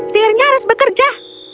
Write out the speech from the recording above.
sihirnya harus bekerja